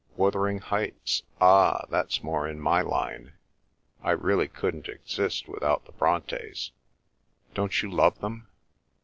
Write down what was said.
Wuthering Heights! Ah—that's more in my line. I really couldn't exist without the Brontes! Don't you love them?